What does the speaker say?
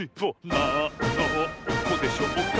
なんのこでしょうか？